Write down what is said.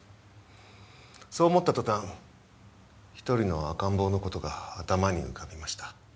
そう思った途端一人の赤ん坊の事が頭に浮びました。